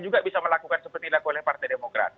juga bisa melakukan seperti yang dilakukan oleh partai demokrat